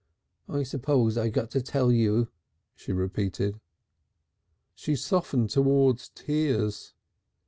"I suppose I got to tell you," she repeated. She softened towards tears.